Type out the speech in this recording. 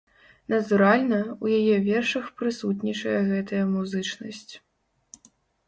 Натуральна, у яе вершах прысутнічае гэтая музычнасць.